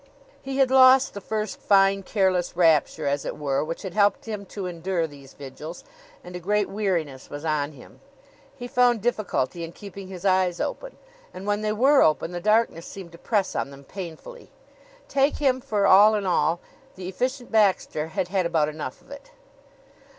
He had lost the first fine careless rapture, as it were, which had helped him to endure these vigils, and a great weariness was on him. He found difficulty in keeping his eyes open, and when they were open the darkness seemed to press on them painfully. Take him for all in all, the Efficient Baxter had had about enough of it.